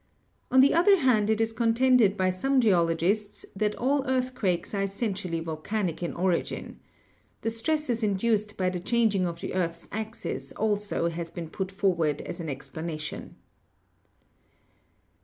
On the other hand, it is contended by some geologists that all earth quakes are essentially volcanic in origin. The stresses in duced by the changing of the earth's axis also has been put forward as an explanation.